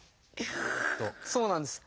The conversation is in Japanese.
そうなんです。